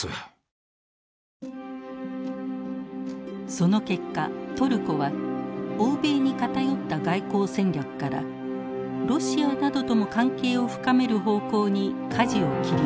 その結果トルコは欧米に偏った外交戦略からロシアなどとも関係を深める方向に舵を切りました。